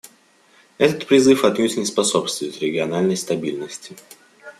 Этот призыв отнюдь не способствует региональной стабильности.